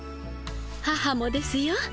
母もですよ。